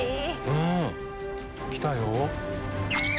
うん来たよ。